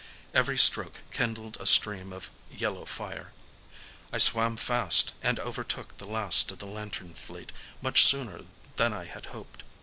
Every stroke kindled a stream of yellow fire. I swam fast, and overtook the last of the lantern fleet much sooner than I had hoped.